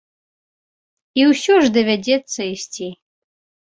І усё ж давядзецца ісці.